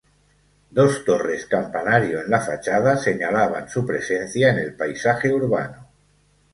Dos torres campanario en la fachada señalaban su presencia en el paisaje urbano.